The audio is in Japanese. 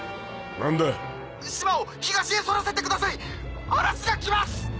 なんだ島を東へ逸らせてください嵐が来ます！